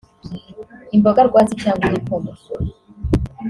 imbogarwatsi cyangwa igikoma